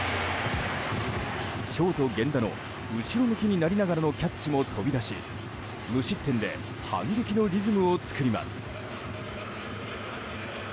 ショート源田の後ろ向きになりながらのキャッチも飛び出し無失点で反撃のリズムを作ります。